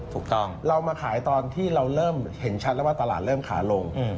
ถูกต้องเรามาขายตอนที่เราเริ่มเห็นชัดแล้วว่าตลาดเริ่มขาลง